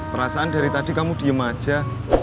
perasaan dari tadi kamu diam saja